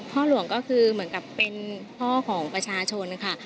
พ่อหลวงก็คือเหมือนกับเป็นพ่อของประชาชนค่ะ